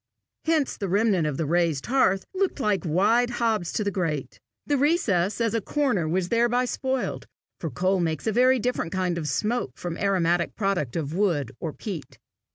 Hence the remnant of the raised hearth looked like wide hobs to the grate. The recess as a chimney corner was thereby spoiled, for coal makes a very different kind of smoke from the aromatic product of wood or peat.